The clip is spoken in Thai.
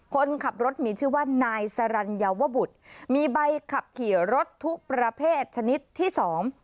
คนขับรถมีชื่อว่านายสรรยาวบุตรมีใบขับขี่รถทุกประเภทชนิดที่สอง